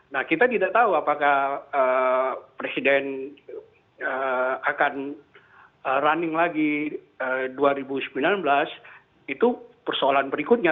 nah kita tidak tahu apakah presiden akan running lagi dua ribu sembilan belas itu persoalan berikutnya